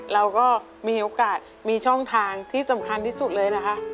เราก็มีโอกาสมีช่องทางที่สำคัญที่สุดเลยนะคะ